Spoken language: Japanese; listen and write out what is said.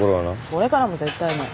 これからも絶対ない。